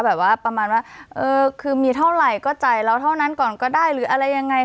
ประมาณว่าเออคือมีเท่าไหร่ก็จ่ายเราเท่านั้นก่อนก็ได้หรืออะไรยังไง